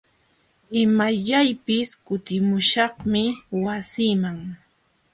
Imayllapis kutimuśhaqmi wasiiman.